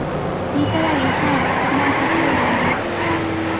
নিসার আলি হ্যাঁ, না কিছু বললেন না।